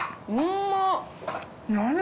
何？